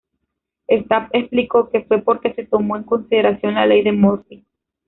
Stapp explicó que fue porque se tomó en consideración la Ley de Murphy.